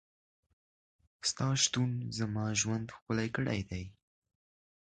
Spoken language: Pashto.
ستا شتون زما ژوند ښکلی کړی دی.